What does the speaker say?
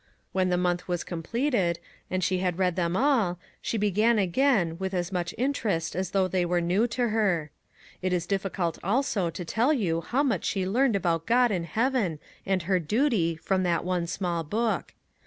When the month was com pleted, and she had read them all, she began again, with as much interest as though they were new to her. It is difficult, also, to tell you 141 MAG AND MARGARET how much she learned about God and heaven and her duty, from that one small book.